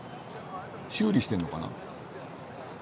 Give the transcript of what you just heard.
修理してんのかな？